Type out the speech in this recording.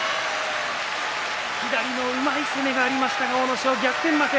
左のうまい攻めがありましたが阿武咲、逆転負け。